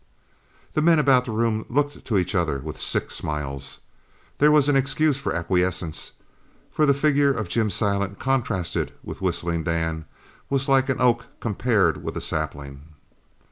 The men about the room looked to each other with sick smiles. There was an excuse for acquiescence, for the figure of Jim Silent contrasted with Whistling Dan was like an oak compared with a sapling.